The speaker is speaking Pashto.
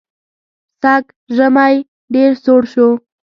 سږ ژمی ډېر سوړ شو.